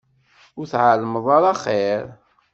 Ur tɛellmeḍ ara axir.